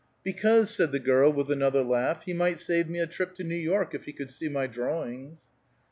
"Because," said the girl with another laugh, "he might save me a trip to New York, if he could see my drawings."